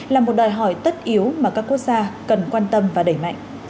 là một đòi hỏi tất yếu mà các quốc gia cần quan tâm và đẩy mạnh